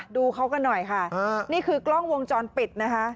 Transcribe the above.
ดูเขากันหน่อยค่ะนี่คือกล้องวงจรปิดนะคะ